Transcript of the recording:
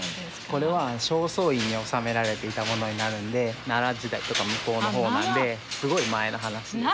これは正倉院に収められていたものになるんで奈良時代とか向こうの方なんですごい前の話ですね。